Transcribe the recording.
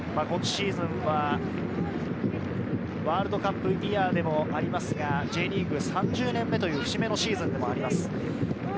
今シーズンはワールドカップイヤーでもありますが、Ｊリーグ３０年目という節目のシーズンでもあります。